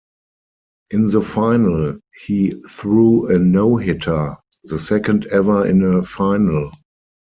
In the final, he threw a no-hitter, the second ever in a final.